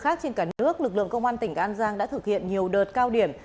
trong các địa phương khác trên cả nước lực lượng công an tỉnh an giang đã thực hiện nhiều đợt cao điểm